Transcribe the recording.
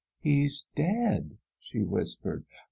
" He's dead 1 " she whispered.